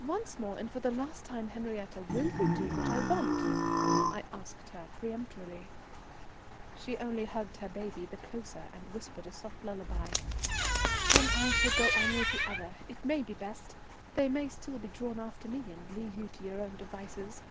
"Once more and for the last time, Henriette, will you do what I want?" I asked her peremptorily. She only hugged her baby the closer and whispered a soft lullaby. "Then I shall go on with the other. It may be best. They may still be drawn after me, and leave you to your own devices.